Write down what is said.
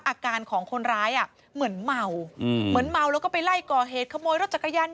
อาการของคนร้ายเหมือนเมาเหมือนเมาแล้วก็ไปไล่ก่อเหตุขโมยรถจักรยาน